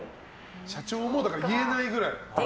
社長も言えないぐらい。